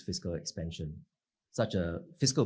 dengan inflasi tinggi dan tinggi